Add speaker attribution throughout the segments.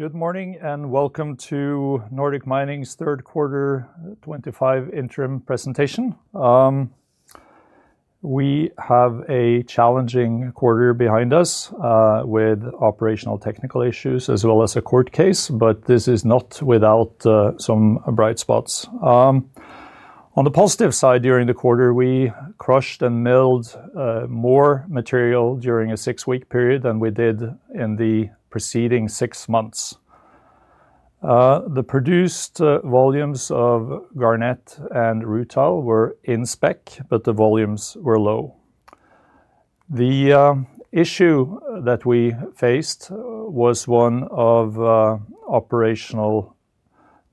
Speaker 1: Good morning and welcome to Nordic Mining's Third Quarter 2025 Interim Presentation. We have a challenging quarter behind us, with operational technical issues as well as a court case, but this is not without some bright spots. On the positive side, during the quarter, we crushed and milled more material during a six-week period than we did in the preceding six months. The produced volumes of garnet and rutile were in spec, but the volumes were low. The issue that we faced was one of operational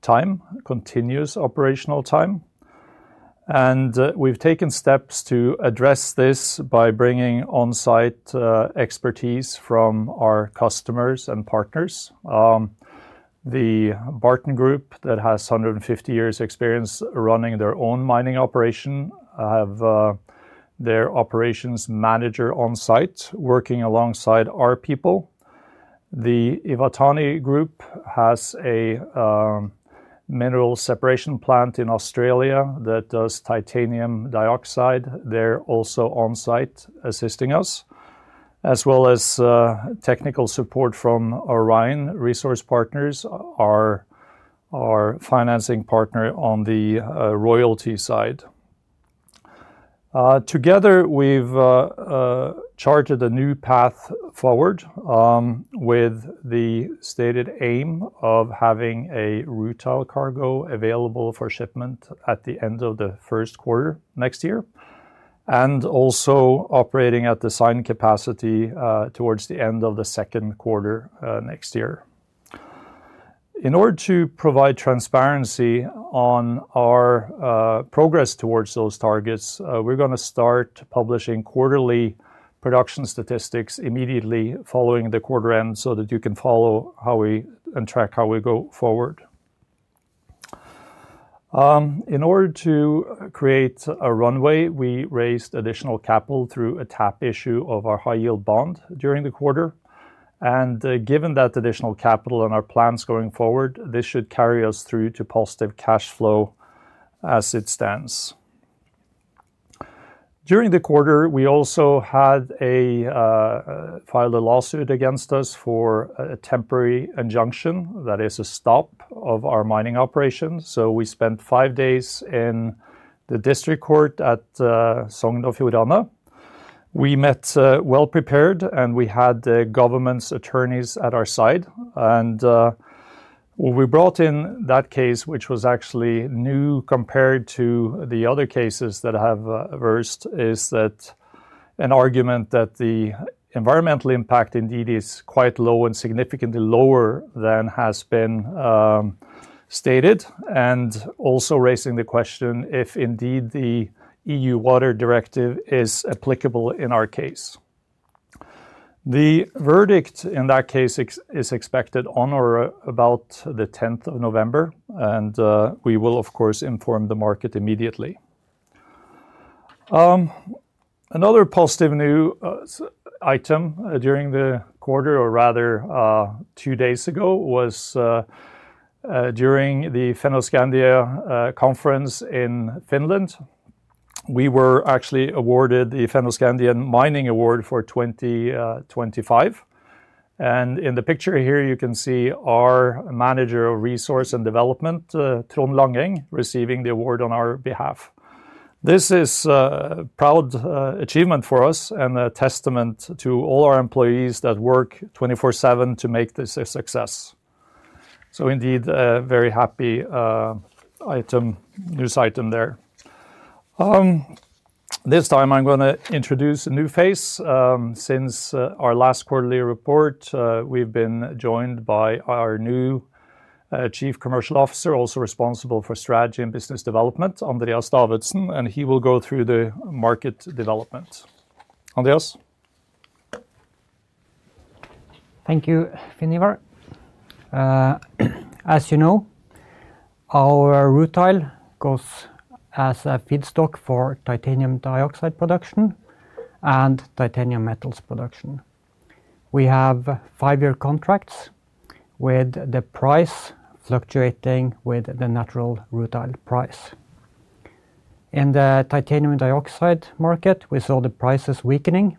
Speaker 1: time, continuous operational time. We've taken steps to address this by bringing on-site expertise from our customers and partners. The Barton Group, that has 150 years' experience running their own mining operation, have their Operations Manager on-site working alongside our people. The Iwatani Group has a mineral separation plant in Australia that does titanium dioxide. They're also on-site assisting us, as well as technical support from Orion Resource Partners, our financing partner on the royalty side. Together, we've charted a new path forward, with the stated aim of having a rutile cargo available for shipment at the end of the first quarter next year, and also operating at the design capacity towards the end of the second quarter next year. In order to provide transparency on our progress towards those targets, we're going to start publishing quarterly production statistics immediately following the quarter end so that you can follow and track how we go forward. In order to create a runway, we raised additional capital through a tap issue of our high-yield bond during the quarter. Given that additional capital and our plans going forward, this should carry us through to positive cash flow as it stands. During the quarter, we also had a lawsuit filed against us for a temporary injunction, that is a stop of our mining operations. We spent five days in the district court at Songdo Fjordana. We met well prepared, and we had the government's attorneys at our side. What we brought in that case, which was actually new compared to the other cases that have arisen, is an argument that the environmental impact indeed is quite low and significantly lower than has been stated, and also raising the question if indeed the EU water directive is applicable in our case. The verdict in that case is expected on or about the 10th of November, and we will, of course, inform the market immediately. Another positive news item during the quarter, or rather, two days ago, was during the Fennoscandia conference in Finland. We were actually awarded the Fennoscandian Mining Award for 2025. In the picture here, you can see our Manager of Resource and Development, Trond Langeng, receiving the award on our behalf. This is a proud achievement for us and a testament to all our employees that work 24/7 to make this a success. Indeed, a very happy news item there. This time I'm going to introduce a new face. Since our last quarterly report, we've been joined by our new Chief Commercial Officer, also responsible for Strategy and Business Development, Andreas Davidsen, and he will go through the market development. Andreas?`
Speaker 2: Thank you, Finn Ivar. As you know, our rutile goes as a feedstock for titanium dioxide production and titanium metals production. We have five-year contracts with the price fluctuating with the natural rutile price. In the titanium dioxide market, we saw the prices weakening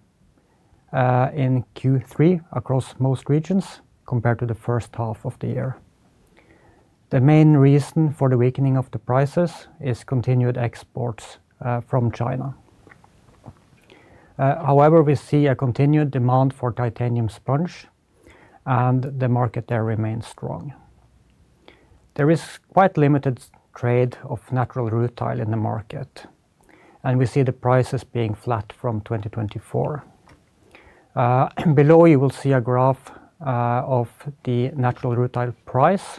Speaker 2: in Q3 across most regions compared to the first half of the year. The main reason for the weakening of the prices is continued exports from China. However, we see a continued demand for titanium sponge, and the market there remains strong. There is quite limited trade of natural rutile in the market, and we see the prices being flat from 2024. Below you will see a graph of the natural rutile price,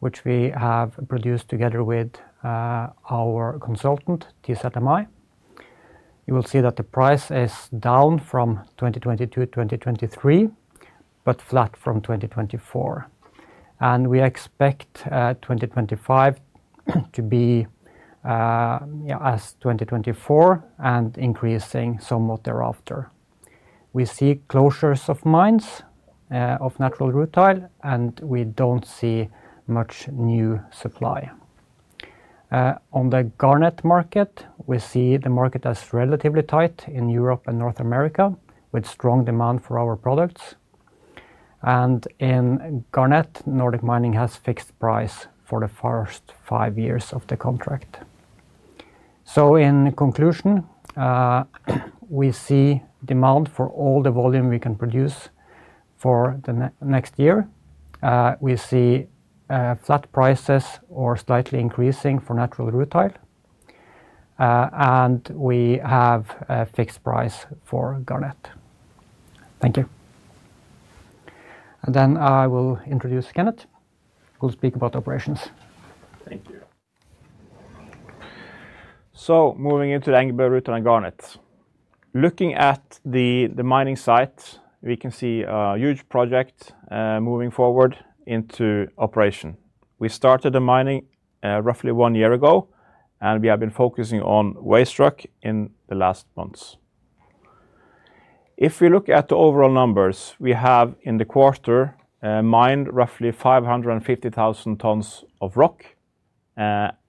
Speaker 2: which we have produced together with our consultant, TZMI. You will see that the price is down from 2022, 2023, but flat from 2024. We expect 2025 to be as 2024 and increasing somewhat thereafter. We see closures of mines of natural rutile, and we don't see much new supply. On the garnet market, we see the market as relatively tight in Europe and North America, with strong demand for our products. In garnet, Nordic Mining has fixed price for the first five years of the contract. In conclusion, we see demand for all the volume we can produce for the next year. We see flat prices or slightly increasing for natural rutile, and we have a fixed price for garnet. Thank you. I will introduce Kenneth, who will speak about operations.
Speaker 3: Thank you. Moving into the Engebø rutile and garnet. Looking at the mining site, we can see a huge project moving forward into operation. We started the mining roughly one year ago, and we have been focusing on waste rock in the last months. If we look at the overall numbers, we have in the quarter mined roughly 550,000 tons of rock,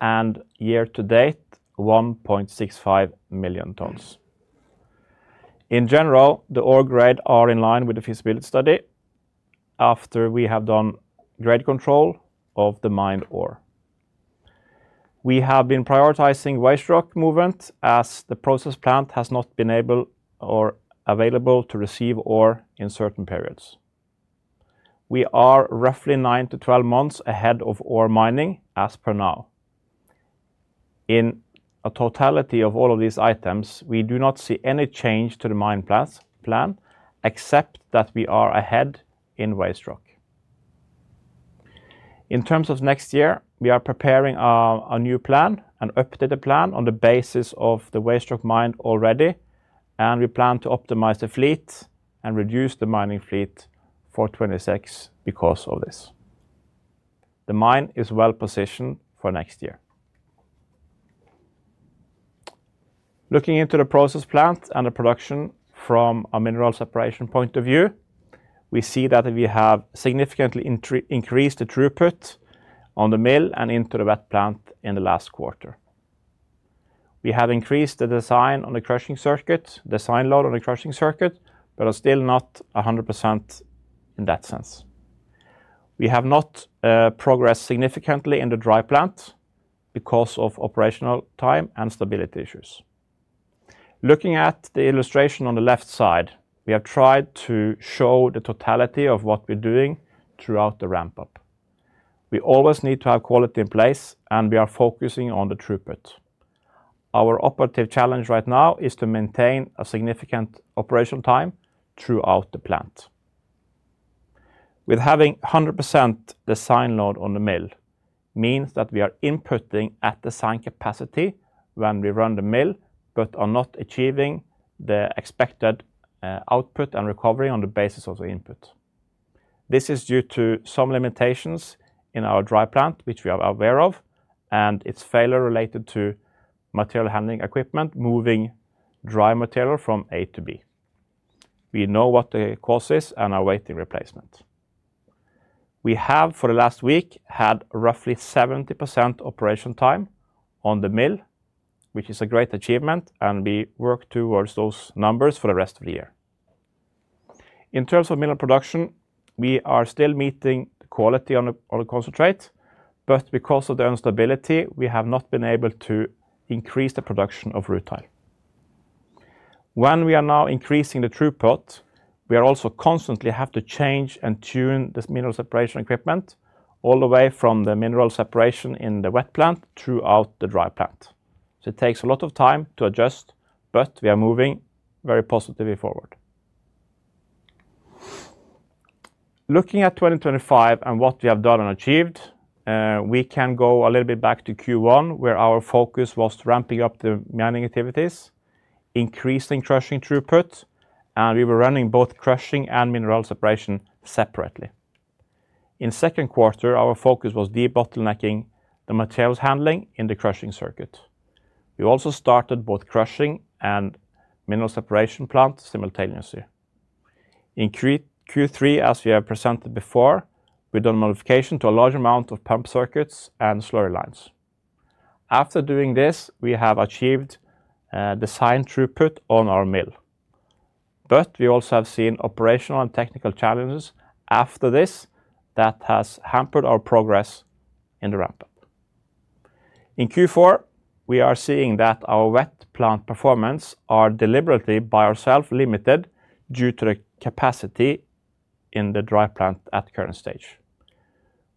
Speaker 3: and year to date, 1.65 million tons. In general, the ore grade is in line with the feasibility study after we have done grade control of the mined ore. We have been prioritizing waste rock movement as the process plant has not been able or available to receive ore in certain periods. We are roughly 9 to 12 months ahead of ore mining as per now. In a totality of all of these items, we do not see any change to the mine plan, except that we are ahead in waste rock. In terms of next year, we are preparing a new plan, an updated plan on the basis of the waste rock mined already, and we plan to optimize the fleet and reduce the mining fleet for 2026 because of this. The mine is well positioned for next year. Looking into the process plant and the production from a mineral separation point of view, we see that we have significantly increased the throughput on the mill and into the wet plant in the last quarter. We have increased the design load on the crushing circuit, but are still not 100% in that sense. We have not progressed significantly in the dry plant because of operational time and stability issues. Looking at the illustration on the left side, we have tried to show the totality of what we're doing throughout the ramp-up. We always need to have quality in place, and we are focusing on the throughput. Our operative challenge right now is to maintain a significant operational time throughout the plant. Having 100% design load on the mill means that we are inputting at the design capacity when we run the mill, but are not achieving the expected output and recovery on the basis of the input. This is due to some limitations in our dry plant, which we are aware of, and it's failure related to material handling equipment moving dry material from A to B. We know what the cause is and are waiting replacement. We have, for the last week, had roughly 70% operational time on the mill, which is a great achievement, and we work towards those numbers for the rest of the year. In terms of mineral production, we are still meeting the quality on the concentrate, but because of the instability, we have not been able to increase the production of rutile. When we are now increasing the throughput, we are also constantly having to change and tune this mineral separation equipment all the way from the mineral separation in the wet plant throughout the dry plant. It takes a lot of time to adjust, but we are moving very positively forward. Looking at 2025 and what we have done and achieved, we can go a little bit back to Q1, where our focus was ramping up the mining activities, increasing crushing throughput, and we were running both crushing and mineral separation separately. In the second quarter, our focus was de-bottlenecking the materials handling in the crushing circuit. We also started both crushing and mineral separation plants simultaneously. In Q3, as we have presented before, we've done modification to a large amount of pump circuits and slurry lines. After doing this, we have achieved the design throughput on our mill. We also have seen operational and technical challenges after this that have hampered our progress in the ramp-up. In Q4, we are seeing that our wet plant performance is deliberately by ourselves limited due to the capacity in the dry plant at the current stage.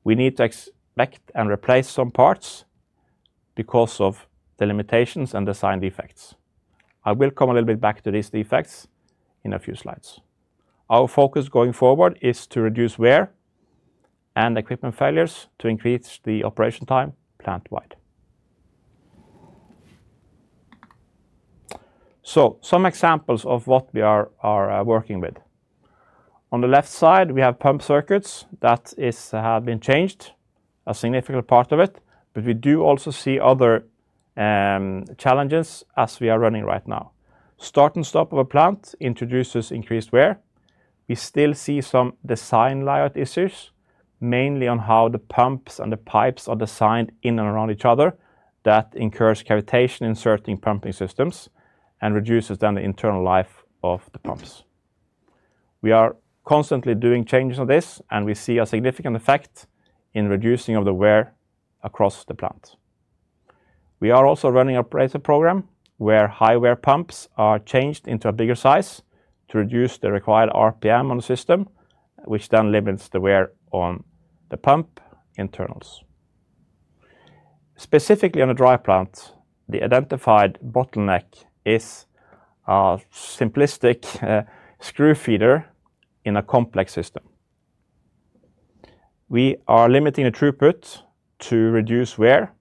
Speaker 3: We need to expect and replace some parts because of the limitations and design defects. I will come a little bit back to these defects in a few slides. Our focus going forward is to reduce wear and equipment failures to increase the operation time plant-wide. Some examples of what we are working with. On the left side, we have pump circuits that have been changed, a significant part of it, but we do also see other challenges as we are running right now. Start and stop of a plant introduces increased wear. We still see some design layout issues, mainly on how the pumps and the pipes are designed in and around each other, that incurs cavitation in certain pumping systems and reduces then the internal life of the pumps. We are constantly doing changes on this, and we see a significant effect in reducing the wear across the plant. We are also running an operator program where high-wear pumps are changed into a bigger size to reduce the required RPM on the system, which then limits the wear on the pump internals. Specifically on the dry plant, the identified bottleneck is a simplistic screw feeder in a complex system. We are limiting the throughput to reduce wear.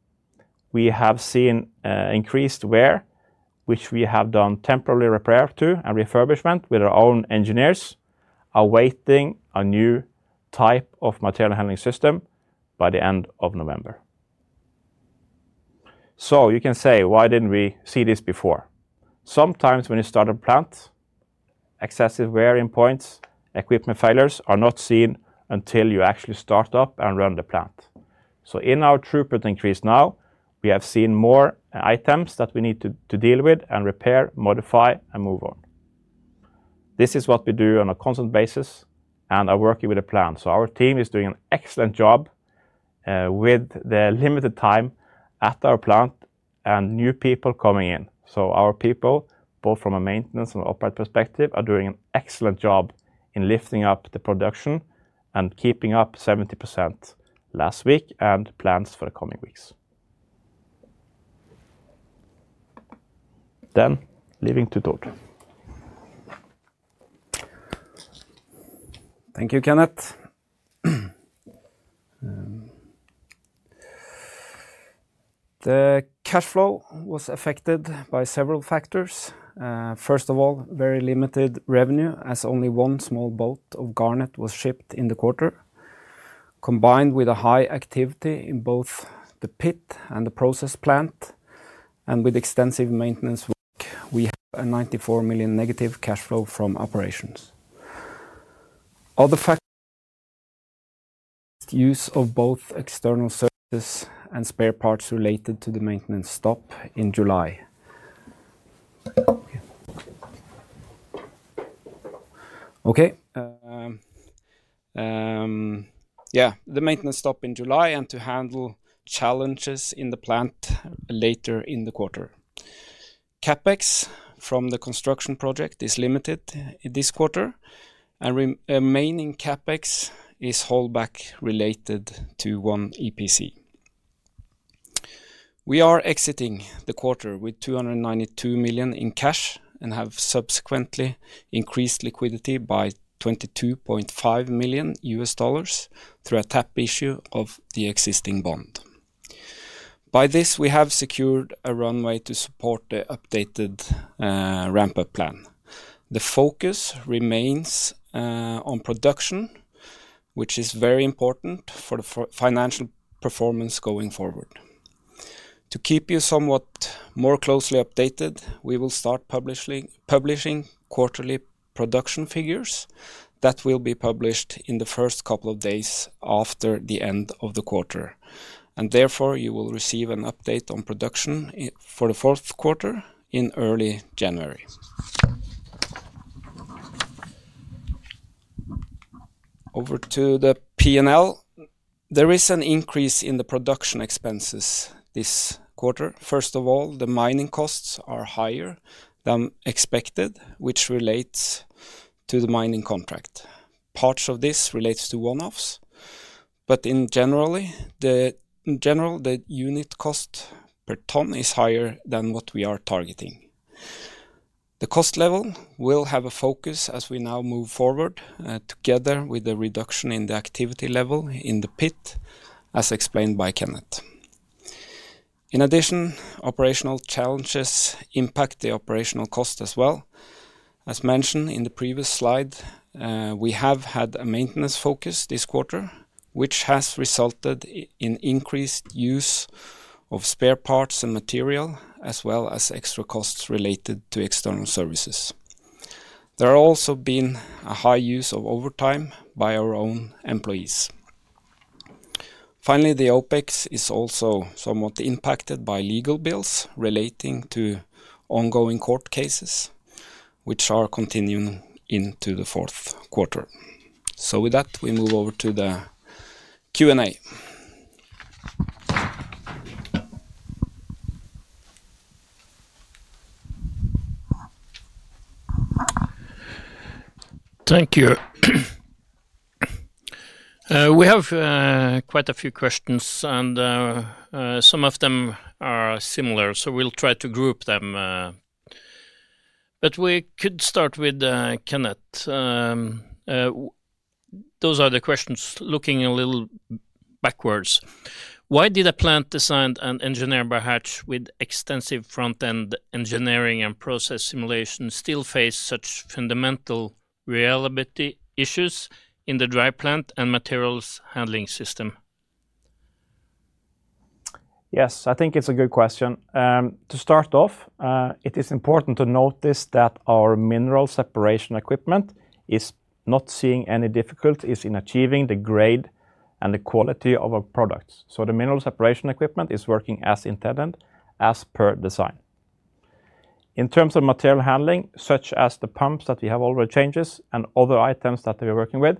Speaker 3: We have seen increased wear, which we have done temporary repair to and refurbishment with our own engineers, awaiting a new type of material handling system by the end of November. You can say, why didn't we see this before? Sometimes when you start a plant, excessive wear in points, equipment failures are not seen until you actually start up and run the plant. In our throughput increase now, we have seen more items that we need to deal with and repair, modify, and move on. This is what we do on a constant basis, and I'm working with the plant. Our team is doing an excellent job with the limited time at our plant and new people coming in. Our people, both from a maintenance and an operator perspective, are doing an excellent job in lifting up the production and keeping up 70% last week and plans for the coming weeks. Leaving to Tord.
Speaker 4: Thank you, Kenneth. The cash flow was affected by several factors. First of all, very limited revenue as only one small boat of garnet was shipped in the quarter, combined with a high activity in both the pit and the process plant. With extensive maintenance work, we have a 94 million negative cash flow from operations. Other factors include use of both external services and spare parts related to the maintenance stop in July to handle challenges in the plant later in the quarter. CapEx from the construction project is limited this quarter, and remaining CapEx is holdback related to one EPC. We are exiting the quarter with 292 million in cash and have subsequently increased liquidity by $22.5 million through a tap issue of the existing bond. By this, we have secured a runway to support the updated ramp-up plan. The focus remains on production, which is very important for the financial performance going forward. To keep you somewhat more closely updated, we will start publishing quarterly production figures that will be published in the first couple of days after the end of the quarter. Therefore, you will receive an update on production for the fourth quarter in early January. Over to the P&L. There is an increase in the production expenses this quarter. First of all, the mining costs are higher than expected, which relates to the mining contract. Parts of this relate to one-offs, but in general, the unit cost per ton is higher than what we are targeting. The cost level will have a focus as we now move forward, together with the reduction in the activity level in the pit, as explained by Kenneth. In addition, operational challenges impact the operational cost as well. As mentioned in the previous slide, we have had a maintenance focus this quarter, which has resulted in increased use of spare parts and material, as well as extra costs related to external services. There has also been a high use of overtime by our own employees. Finally, the OpEx is also somewhat impacted by legal bills relating to ongoing court cases, which are continuing into the fourth quarter. With that, we move over to the Q&A. Thank you. We have quite a few questions, and some of them are similar, so we'll try to group them. We could start with Kenneth. Those are the questions looking a little backwards. Why did a plant designed and engineered by Hatch with extensive front-end engineering and process simulation still face such fundamental reliability issues in the dry plant and materials handling system?
Speaker 3: Yes, I think it's a good question. To start off, it is important to notice that our mineral separation equipment is not seeing any difficulties in achieving the grade and the quality of our products. The mineral separation equipment is working as intended as per design. In terms of material handling, such as the pumps that we have already changed and other items that we are working with,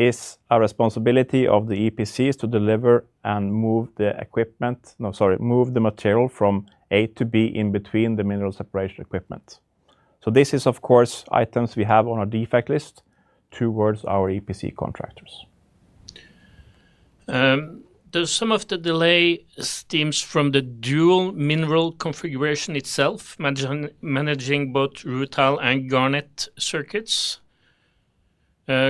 Speaker 3: it is our responsibility of the EPCs to deliver and move the material from A to B in between the mineral separation equipment. This is, of course, items we have on our defect list towards our EPC contractors. Does some of the delay stem from the dual mineral configuration itself, managing both rutile and garnet circuits,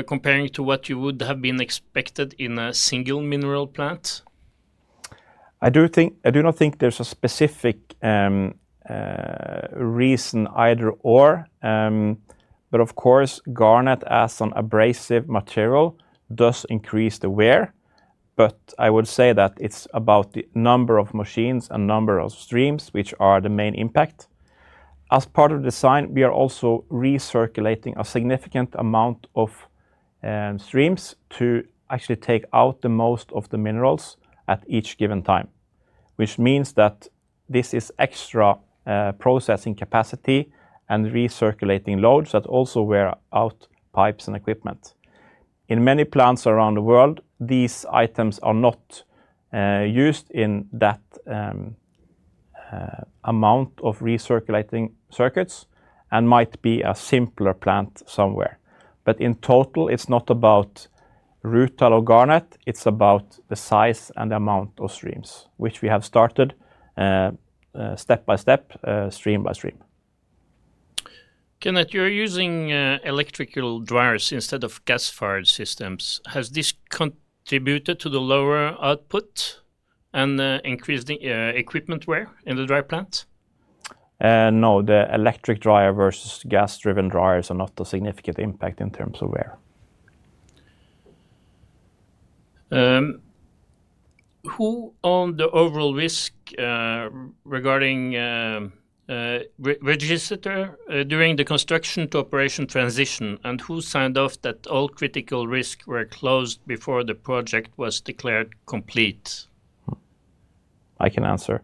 Speaker 3: comparing to what you would have expected in a single mineral plant? I do not think there's a specific reason either/or. Of course, garnet as an abrasive material does increase the wear, but I would say that it's about the number of machines and number of streams, which are the main impact. As part of the design, we are also recirculating a significant amount of streams to actually take out the most of the minerals at each given time, which means that this is extra processing capacity and recirculating loads that also wear out pipes and equipment. In many plants around the world, these items are not used in that amount of recirculating circuits and might be a simpler plant somewhere. In total, it's not about rutile or garnet, it's about the size and the amount of streams, which we have started, step by step, stream by stream. Kenneth, you're using electrical dryers instead of gas-fired systems. Has this contributed to the lower output, increasing equipment wear in the dry plant? No, the electric dryer versus gas-driven dryers are not a significant impact in terms of wear. Who owned the overall risk regarding the register during the construction to operation transition, and who signed off that all critical risks were closed before the project was declared complete? I can answer.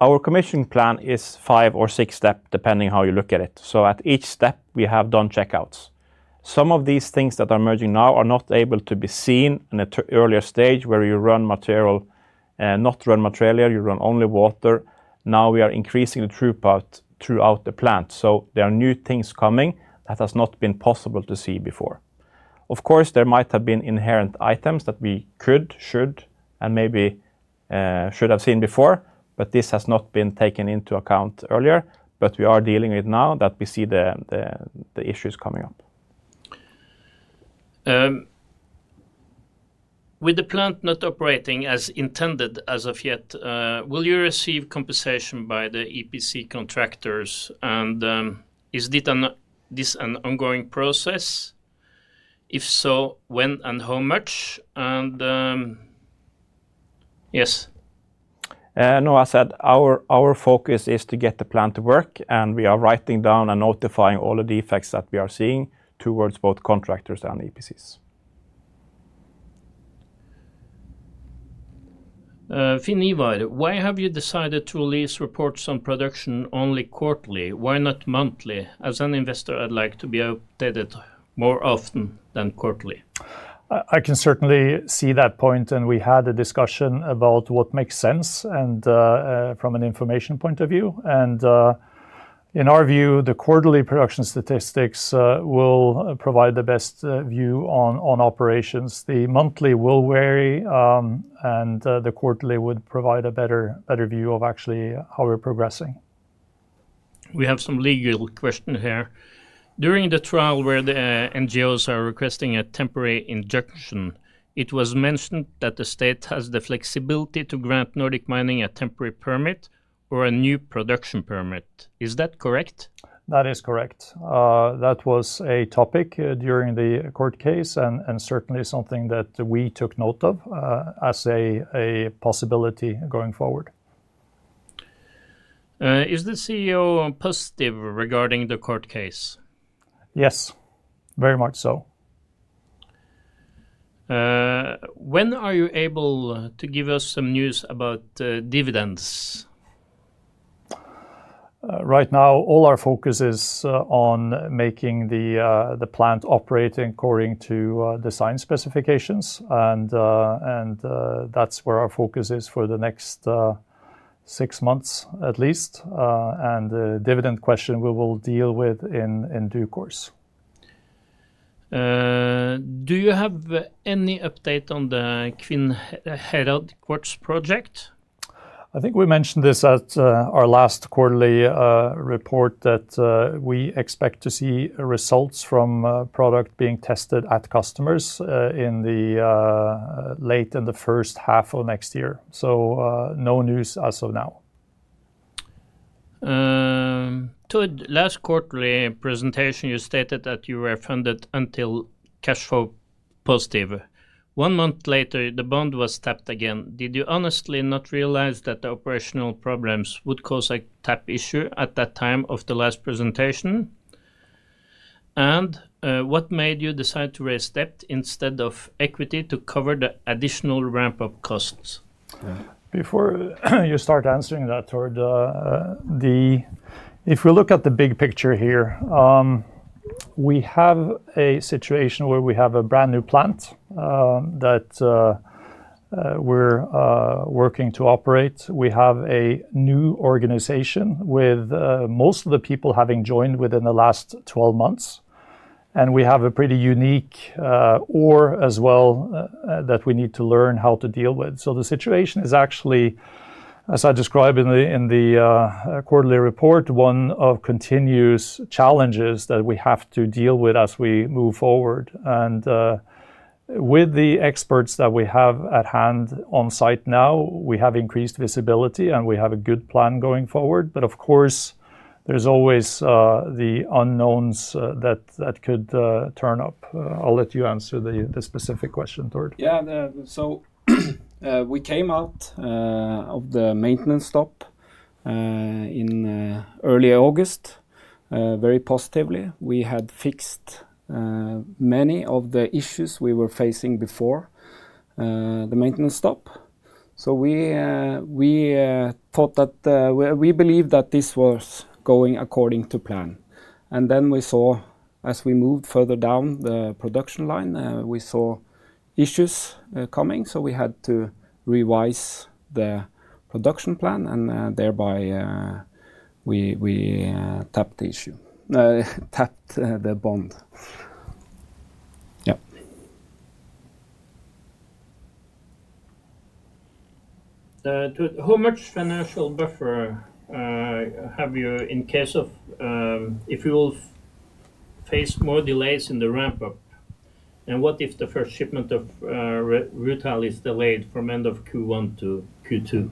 Speaker 3: Our commissioning plan is five or six steps, depending on how you look at it. At each step, we have done checkouts. Some of these things that are emerging now are not able to be seen in the earlier stage where you run material, not run material, you run only water. Now we are increasing the throughput throughout the plant. There are new things coming that have not been possible to see before. Of course, there might have been inherent items that we could, should, and maybe should have seen before, but this has not been taken into account earlier. We are dealing with it now that we see the issues coming up. With the plant not operating as intended as of yet, will you receive compensation by the EPC contractors? Is this an ongoing process? If so, when and how much? Yes. I said our focus is to get the plant to work, and we are writing down and notifying all the defects that we are seeing towards both contractors and EPCs. Finn Ivar, why have you decided to release reports on production only quarterly? Why not monthly? As an investor, I'd like to be updated more often than quarterly.
Speaker 1: I can certainly see that point. We had a discussion about what makes sense from an information point of view. In our view, the quarterly production statistics will provide the best view on operations. The monthly will vary, and the quarterly would provide a better view of actually how we're progressing. We have some legal questions here. During the trial where the NGOs are requesting a temporary injunction, it was mentioned that the state has the flexibility to grant Nordic Mining a temporary permit or a new production permit. Is that correct? That is correct. That was a topic during the court case and certainly something that we took note of as a possibility going forward. Is the CEO positive regarding the court case? Yes, very much so. When are you able to give us some news about dividends? Right now, all our focus is on making the plant operating according to design specifications. That's where our focus is for the next six months at least, and the dividend question we will deal with in due course. Do you have any update on the Kvinnherad quartz project? I think we mentioned this at our last quarterly report that we expect to see results from product being tested at customers late in the first half of next year. No news as of now. Tord, last quarterly presentation, you stated that you were funded until cash flow positive. One month later, the bond was tapped again. Did you honestly not realize that the operational problems would cause a tap issue at that time of the last presentation? What made you decide to raise debt instead of equity to cover the additional ramp-up costs? Before you start answering that, Tord, if we look at the big picture here, we have a situation where we have a brand new plant that we're working to operate. We have a new organization with most of the people having joined within the last 12 months, and we have a pretty unique ore as well that we need to learn how to deal with. The situation is actually, as I described in the quarterly report, one of continuous challenges that we have to deal with as we move forward. With the experts that we have at hand on site now, we have increased visibility and we have a good plan going forward. Of course, there's always the unknowns that could turn up. I'll let you answer the specific question, Tord.
Speaker 4: Yeah, we came out of the maintenance stop in early August very positively. We had fixed many of the issues we were facing before the maintenance stop. We thought that we believed that this was going according to plan. We saw as we moved further down the production line, we saw issues coming. We had to revise the production plan and, thereby, we tapped the bond issue. Tord, how much financial buffer have you in case you will face more delays in the ramp-up? What if the first shipment of rutile is delayed from end of Q1 to Q2?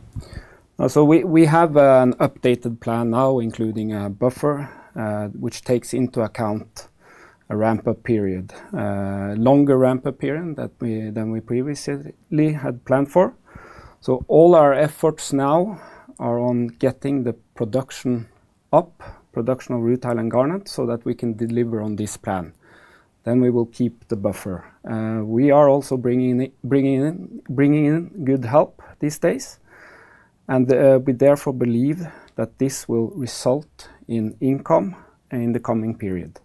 Speaker 4: We have an updated plan now, including a buffer, which takes into account a ramp-up period, a longer ramp-up period than we previously had planned for. All our efforts now are on getting the production up, production of rutile and garnet so that we can deliver on this plan. We will keep the buffer. We are also bringing in good help these days. We therefore believe that this will result in income in the coming period.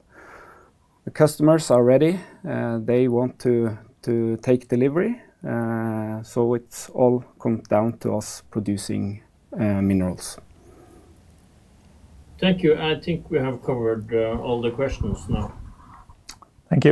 Speaker 4: The customers are ready. They want to take delivery. It's all come down to us producing minerals. Thank you. I think we have covered all the questions now.
Speaker 1: Thank you.